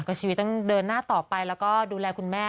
ก็ชีวิตต้องเดินหน้าต่อไปแล้วก็ดูแลคุณแม่